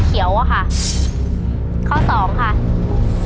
ขอเชิญแสงเดือนมาต่อชีวิต